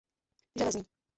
Železný.